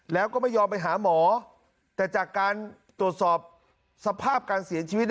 แล้วก็ไม่ยอมไปหาหมอแต่จากการตรวจสอบสภาพการเสียชีวิต